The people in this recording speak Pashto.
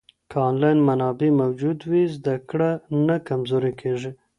که انلاین منابع موجود وي، زده کړه نه کمزورې کېږي.